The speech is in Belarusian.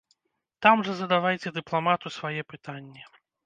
Там жа задавайце дыпламату свае пытанні!